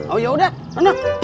oh yaudah enak